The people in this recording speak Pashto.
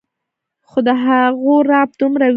خو د هغو رعب دومره وي